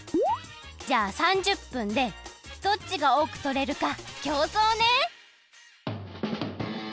じゃあ３０分でどっちがおおくとれるかきょうそうね！